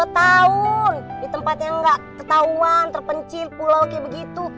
dua tahun di tempat yang gak ketahuan terpencil pulau kayak begitu